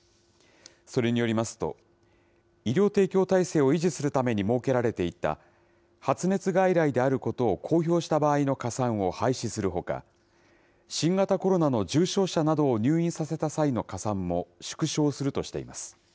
それによりますと、医療提供体制を維持するために設けられていた、発熱外来であることを公表した場合の加算を廃止するほか、新型コロナの重症者などを入院させた際の加算も縮小するとしています。